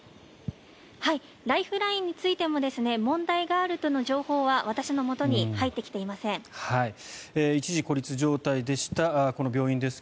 ライフラインについても問題があるとの情報は私のもとに入ってきていません。